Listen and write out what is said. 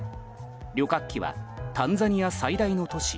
旅客機はタンザニア最大の都市